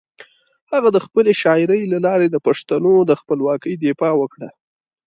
هغه د خپلې شاعري له لارې د پښتنو د خپلواکۍ دفاع وکړه.